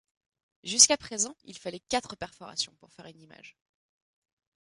Jusqu’à présent, il fallait quatre perforations pour faire une image.